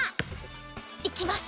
いきます。